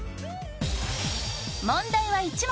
問題は１問。